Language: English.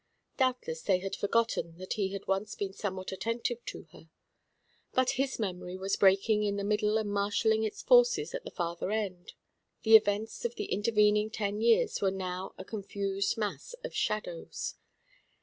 Doubtless they had forgotten that he had once been somewhat attentive to her. But his memory was breaking in the middle and marshalling its forces at the farther end; the events of the intervening ten years were now a confused mass of shadows.